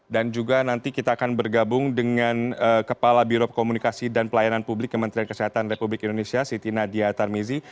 dan juga nanti kita akan bergabung dengan kepala birob komunikasi dan pelayanan publik kementerian kesehatan republik indonesia siti nadia tarmizi